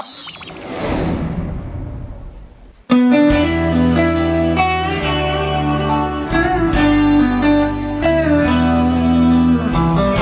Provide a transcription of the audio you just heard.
ดีเข้าสวัสดีครับ